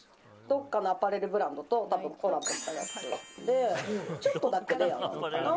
どこかのアパレルブランドとコラボしたやつでちょっとだけレアかな。